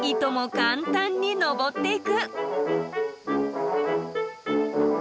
簡単に登っていく］